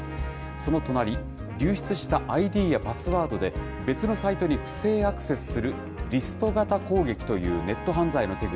その隣、流出したＩＤやパスワードで、別のサイトに不正アクセスするリスト型攻撃というネット犯罪の手口。